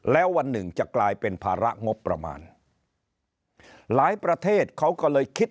แล้ววันหนึ่งจะกลายเป็นภาระงบประมาณหลายประเทศเขาก็เลยคิด